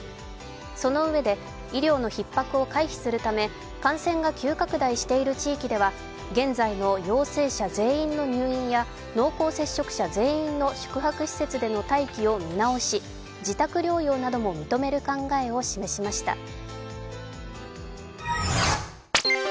そのうえで医療のひっ迫を回避するため感染が急拡大している地域では現在の陽性者全員の入院や濃厚接触者全員の宿泊施設での待機を見直し、自宅療養なども認める考えを示しました。